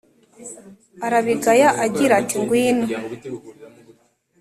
arabigaya agira ati ngwino